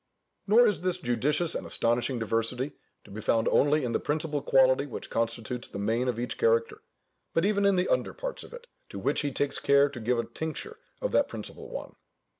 Nor is this judicious and astonishing diversity to be found only in the principal quality which constitutes the main of each character, but even in the under parts of it, to which he takes care to give a tincture of that principal one.